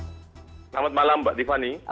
selamat malam mbak tiffany